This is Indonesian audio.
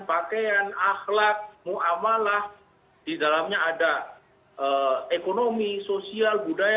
pak ismail saya ingin bertanya dulu pak ismail